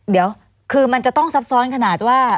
เดี๋ยวคือมันจะต้องซับซ้อนขนาดว่า